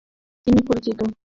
তিনি পরিচিত।